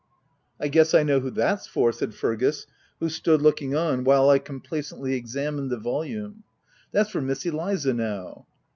" I guess, I know who that's for,'' said Fergus, who stood looking on while I complacently examined the volume. " That's for Miss Eliza, now."